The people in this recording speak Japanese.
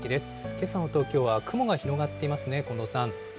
けさの東京は雲が広がっていますね、近藤さん。